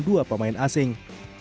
dua pemain asing